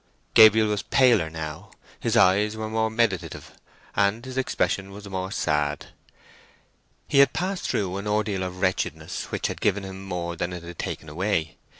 Gabriel was paler now. His eyes were more meditative, and his expression was more sad. He had passed through an ordeal of wretchedness which had given him more than it had taken away.